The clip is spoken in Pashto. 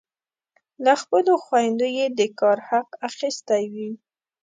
له خپلو خویندو یې د کار حق اخیستی وي.